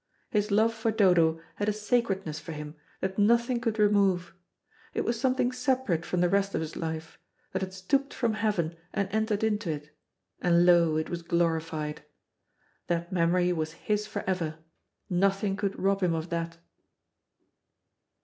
His love for Dodo had a sacredness for him that nothing could remove; it was something separate from the rest of his life, that had stooped from heaven and entered into it, and lo! it was glorified. That memory was his for ever, nothing could rob him of that.